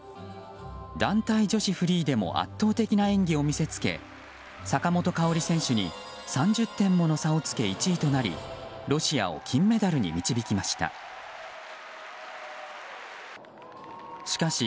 団体女子フリーでも圧倒的な演技を見せつけ坂本花織選手に３０点もの差をつけ１位となりロシアを金メダルに導きました。